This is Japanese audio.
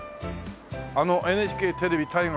「あのＮＨＫテレビ大河ドラマ